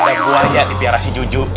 ada gua aja dipiarasi jujur